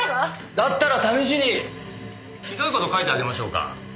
だったら試しにひどい事書いてあげましょうか？